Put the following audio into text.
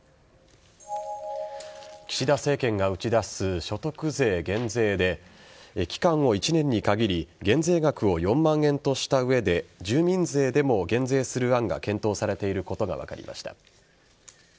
岸田政権が打ち出す所得税減税で期間を１年に限り減税額を４万円とした上で住民税でも減税する案が検討されていることが分かりました。